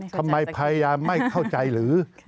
ทำไมพยายามไม่เข้าใจหรือ